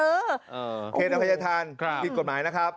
โอเคน้ำแข็งจะทานผิดกฎหมายนะครับ